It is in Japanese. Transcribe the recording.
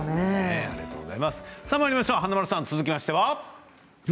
華丸さん、続きましては。